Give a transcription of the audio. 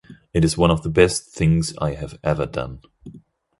It is one of the best things I have ever done.